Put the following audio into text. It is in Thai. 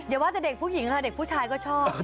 อย่าว่าจะเด็กผู้หญิงแต่เด็กผู้ชายก็ชอบ